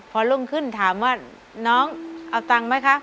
พอรุ่งขึ้นถามว่าน้องเอาตังค์ไหมคะ